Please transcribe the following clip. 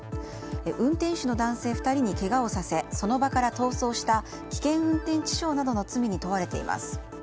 運転手の男性２人にけがをさせその場から逃走した危険運転致傷などの罪に問われています。